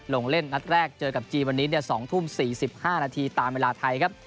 ลงเล่นนัดแรกเจอกับจีนวันนี้๒ทุ่ม๔๕นาทีตามเวลาไทยครับ